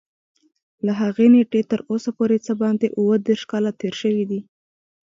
له هغې نېټې تر اوسه پورې څه باندې اووه دېرش کاله تېر شوي دي.